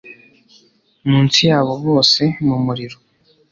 Munsi yabo bose mumuriro